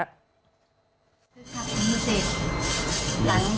สวัสดีครับท่านผู้เศษ